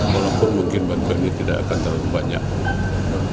walaupun mungkin bantuannya tidak akan terlalu banyak